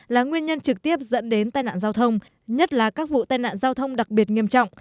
là nguyên nhân trực tiếp dẫn đến tai nạn giao thông nhất là các vụ tai nạn giao thông đặc biệt nghiêm trọng